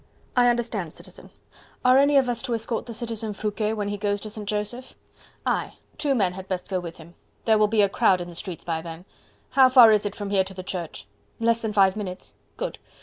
"I understand, Citizen. Are any of us to escort the Citizen Foucquet when he goes to St. Joseph?" "Aye! two men had best go with him. There will be a crowd in the streets by then... How far is it from here to the church?" "Less than five minutes." "Good.